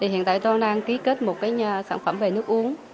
hiện tại tôi đang ký kết một sản phẩm về nước uống